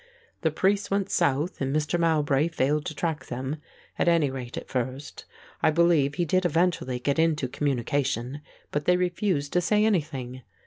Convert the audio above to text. The priests went south and Master Mowbray failed to track them, at any rate at first. I believe he did eventually get into communication, but they refused to say anything.